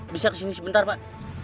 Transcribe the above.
bisa kesini sebentar pak